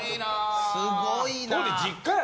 すごいな。